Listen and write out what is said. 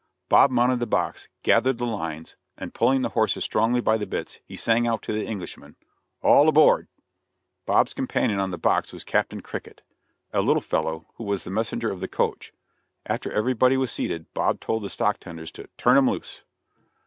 Bob mounted the box, gathered the lines, and pulling the horses strongly by the bits, he sang out to the Englishmen, "All aboard!" Bob's companion on the box was Capt. Cricket; a little fellow who was the messenger of the coach. After everybody was seated, Bob told the stock tenders to "turn 'em loose."